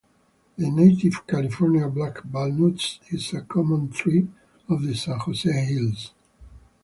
The native California black walnut is a common tree of the San Jose Hills.